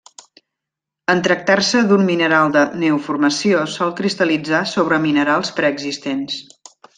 En tractar-se d'un mineral de neoformació sol cristal·litzar sobre minerals preexistents.